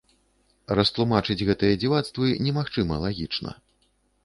Растлумачыць гэтыя дзівацтвы немагчыма лагічна.